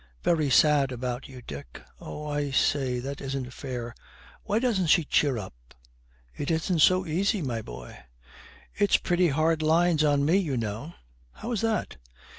'Very sad about you, Dick.' 'Oh, I say, that isn't fair. Why doesn't she cheer up?' 'It isn't so easy, my boy.' 'It's pretty hard lines on me, you know.' 'How is that?'